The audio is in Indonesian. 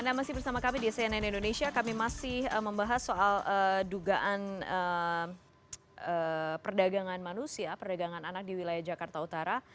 anda masih bersama kami di cnn indonesia kami masih membahas soal dugaan perdagangan manusia perdagangan anak di wilayah jakarta utara